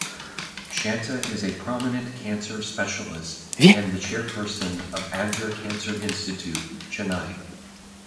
Shanta is a prominent Cancer specialist and the Chairperson of Adyar Cancer Institute, Chennai.